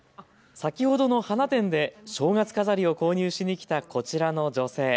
先ほどの花店で正月飾りを購入しに来たこちらの女性。